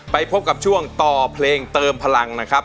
ไปพบกับช่วงต่อเพลงเติมพลังนะครับ